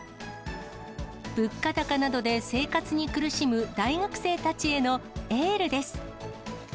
物価高などで生活に苦しむ大学生たちへのエールです。